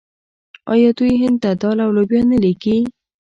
آیا دوی هند ته دال او لوبیا نه لیږي؟